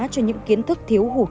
cho những kiến thức thiếu hủ